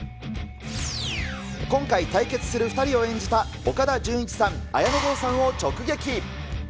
今回、対決する２人を演じた岡田准一さん、綾野剛さんを直撃。